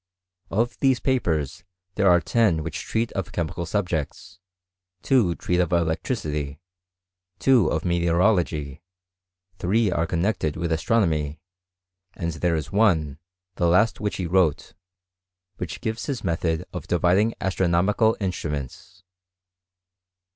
Of these papers, there are ten which treat of chemical subjects, two treat of elec tricity, two of meteorology, three are connected with astronomy, and there is one, the last which he wrote, which gives his method of dividing astronomical in struments.